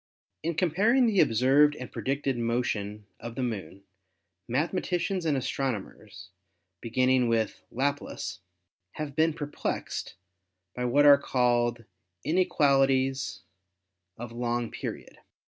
"In comparing the observed and predicted motion of the Moon, mathematicians and astronomers, beginning with Laplace, have been perplexed by what are called 'in equalities of long period.'